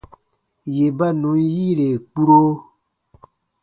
Yè ba nùn yiire kpuro.